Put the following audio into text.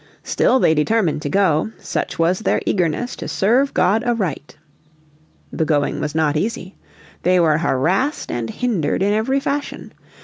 Still they determined to go, such was their eagerness to serve God aright. The going was not easy. They were harassed and hindered in every fashion.